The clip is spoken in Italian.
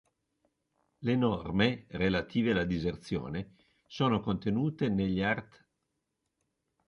Le norme relative alla diserzione sono contenute negli art.